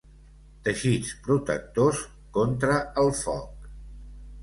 Teixits protectors contra el foc.